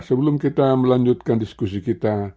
sebelum kita melanjutkan diskusi kita